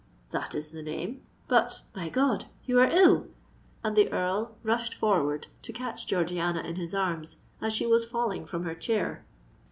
"That is the name——But, my God! you are ill!"—and the Earl rushed forward to catch Georgiana in his arms, as she was falling from her chair.